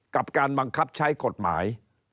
กับการบังคับใช้กฎหมาย